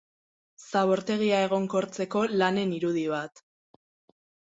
Zabortegia egonkortzeko lanen irudi bat.